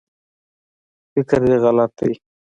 فکر دی غلط دی